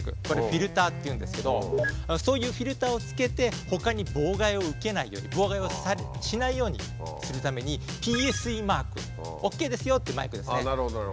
「フィルター」っていうんですけどそういうフィルターを付けてほかに妨害を受けないように妨害をしないようにするために「ＰＳＥマーク」ＯＫですよというマークですね